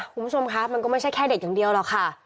คุณผู้ชมคะมันก็ไม่ใช่แค่เด็กอย่างเดียวหรอกค่ะ